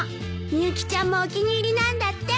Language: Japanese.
みゆきちゃんもお気に入りなんだって。